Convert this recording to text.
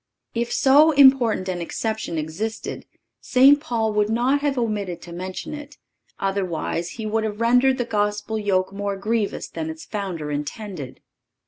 If so important an exception existed, St. Paul would not have omitted to mention it; otherwise he would have rendered the Gospel yoke more grievous than its Founder intended.